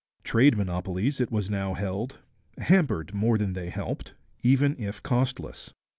Trade monopolies, it now was held, hampered more than they helped, even if costless.